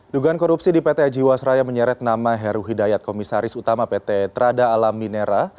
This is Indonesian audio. dugaan korupsi di pt jiwasraya menyeret nama heru hidayat komisaris utama pt trada alam minera